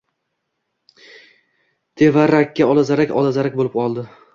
Teva-rakka olazarak-olazarak bo‘lib oldi.